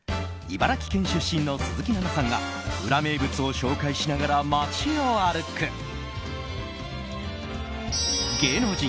茨城県出身の鈴木奈々さんがウラ名物を紹介しながら街を歩く芸能人